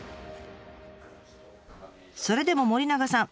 それでも森永さん